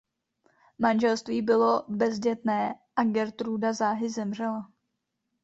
Manželství bylo bezdětné a Gertruda záhy zemřela.